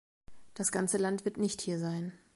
Das ganze Land wird nicht hier sein.